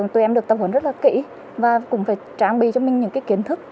tụi em được tập huấn rất là kỹ và cũng phải trang bị cho mình những kiến thức